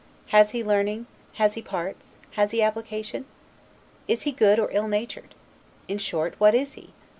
Has he learning, has he parts, has he application? Is he good or ill natured? In short, What is he?